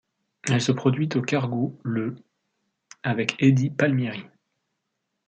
Elle se produit au Cargo le avec Eddie Palmieri.